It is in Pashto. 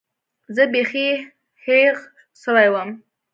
زه بيخي هېښ سوى وم.